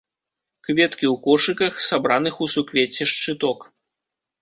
Кветкі ў кошыках, сабраных у суквецце шчыток.